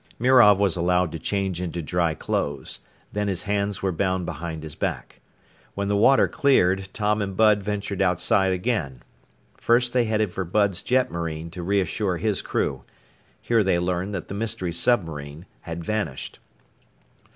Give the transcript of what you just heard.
Mirov was allowed to change into dry clothes, then his hands were bound behind his back. When the water cleared, Tom and Bud ventured outside again. First they headed for Bud's jetmarine to reassure his crew. Here they learned that the mystery submarine had vanished.